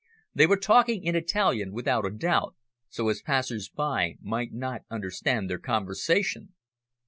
They were talking in Italian without a doubt, so as passers by might not understand their conversation.